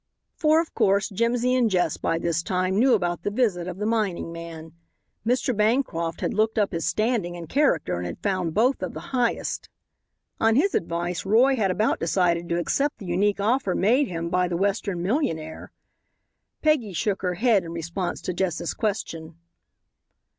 For, of course, Jimsy and Jess by this time knew about the visit of the mining man. Mr. Bancroft had looked up his standing and character and had found both of the highest. On his advice Roy had about decided to accept the unique offer made him by the Western millionaire. Peggy shook her head in response to Jess's question.